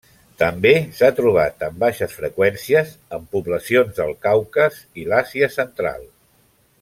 També s'ha trobat en baixes freqüències en poblacions del Caucas i l'Àsia central.